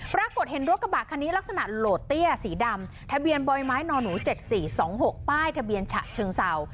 ปรากฏเห็นรถกระบะคันนี้ลักษณะโหลดเตี้ยสีดำทะเบียนบ่อยไม้นอนหนู๗๔๒๖ป้ายทะเบียนฉะเชิงเศร้า